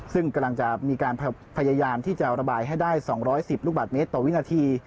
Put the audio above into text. ซึ่งกำลังจะมีการพยายามที่จะระบายให้ได้๒๑๐ลูกบาทเมตรต่อวินาที